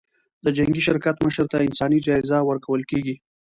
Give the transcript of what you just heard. د جنګي شرکت مشر ته انساني جایزه ورکول کېږي.